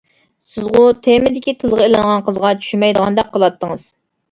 سىزغۇ تېمىدىكى تىلغا ئېلىنغان قىزغا چۈشمەيدىغاندەك قىلاتتىڭىز.